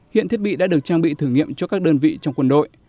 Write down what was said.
hiện thiết bị đã được trang bị thử nghiệm cho các đơn vị trong quân đội